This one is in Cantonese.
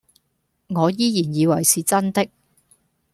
我依然以為是真的